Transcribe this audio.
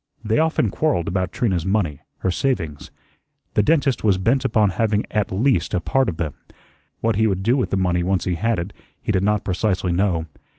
They often quarrelled about Trina's money, her savings. The dentist was bent upon having at least a part of them. What he would do with the money once he had it, he did not precisely know.